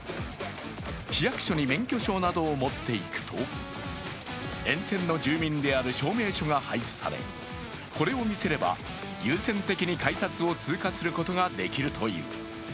市役所に免許証などを持っていくと沿線の住民である証明書が配布されこれを見せれば優先的に改札を通過することができるという。